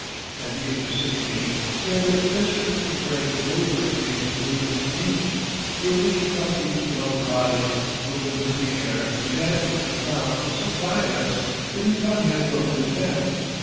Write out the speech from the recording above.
At the age of sixteen, he had a desperate affray with a neighbor named William Veach, during which he caught Veach around the body, whirled him into the air, and dashed him to the ground with such violence, that he thought he had broken his neck.